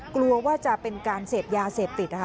กลัวว่าจะเป็นการเสพยาเสพติดนะคะ